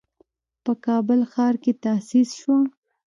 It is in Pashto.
په کابل ښار کې تأسيس شوه.